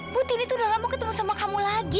putri ini tuh udah lama mau ketemu sama kamu lagi